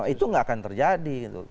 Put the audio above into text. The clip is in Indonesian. itu nggak akan terjadi